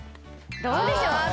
どうでしょう？